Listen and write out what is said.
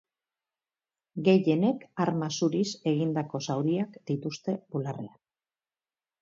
Gehienek arma zuriz egindako zauriak dituzte bularrean.